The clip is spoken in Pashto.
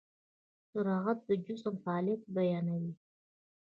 سرعت د جسم فعالیت بیانوي.